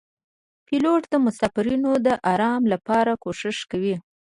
پیلوټ د مسافرینو د آرام لپاره کوښښ کوي.